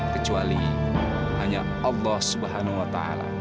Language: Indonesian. kecuali hanya allah swt